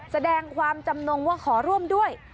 แสดงความจำนงว่าขอร่วมด้วย